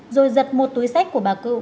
rồi giật một túi sách của bà cư